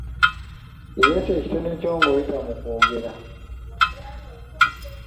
Yolesa ekitone kyo ng'oyita mu kwogera.